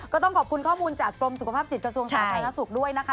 ขอบคุณข้อมูลจากกรมสุขภาพจิตกระทรวงค่าธนสุขด้วยนะคะ